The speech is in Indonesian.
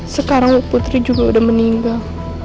sekarang putri juga udah meninggal